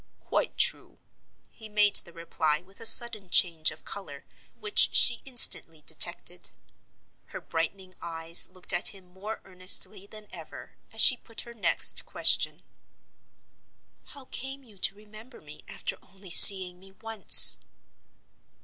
"Quite true!" He made the reply with a sudden change of color which she instantly detected. Her brightening eyes looked at him more earnestly than ever, as she put her next question. "How came you to remember me after only seeing me once?"